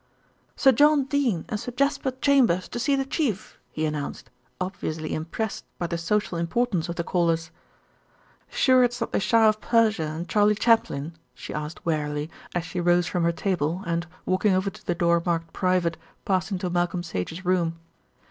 "Sir John Dene and Sir Jasper Chambers to see the Chief," he announced, obviously impressed by the social importance of the callers. "Sure it's not the Shah of Persia and Charlie Chaplin?" she asked wearily as she rose from her table and, walking over to the door marked "Private," passed into Malcolm Sage's room.